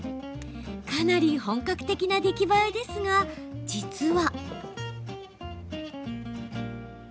かなり本格的な出来栄えですが実は。